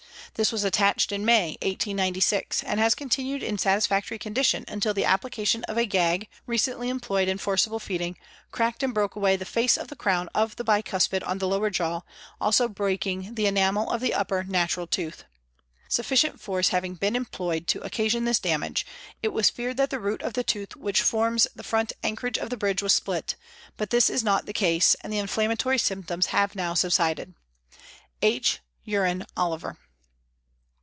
This was attached in May, 1896, and has continued in satisfactory condition until the application of a gag, recently employed in forcible feeding, cracked and broke away the face of the crown of the bicuspid on the lower jaw, also breaking the enamel of the upper natural tooth. " Sufficient force having been employed to occasion this damage, it was feared that the root of the tooth which forms the front anchorage of the bridge was split, but this is not the case, and the inflammatory symptoms have now subsided. "H. UREN OLVER."